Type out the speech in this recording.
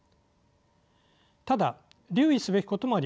ただ留意すべきこともあります。